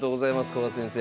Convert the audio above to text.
古賀先生。